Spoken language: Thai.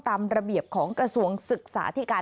ตามระเบียบของกระทรวงศึกษาที่การ